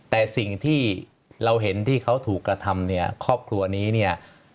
แต่สิ่งที่เราเห็นที่เขาถูกกระทำเนี่ยครอบครัวนี้เนี่ย